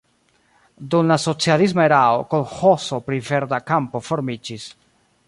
Dum la socialisma erao kolĥozo pri Verda Kampo formiĝis.